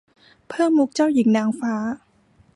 เพิ่มมุขเจ้าหญิงนางฟ้า